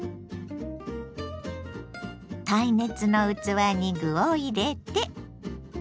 耐熱の器に具を入れて。